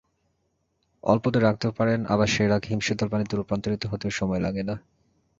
অল্পতে রাগতেও পারেন, আবার সেই রাগ হিমশীতল পানিতে রূপান্তরিত হতেও সময় লাগে না।